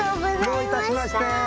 どういたしまして。